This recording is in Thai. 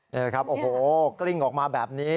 นี่แหละครับโอ้โหกลิ้งออกมาแบบนี้